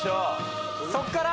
そっから！